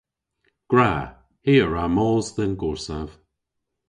Gwra! Hi a wra mos dhe'n gorsav.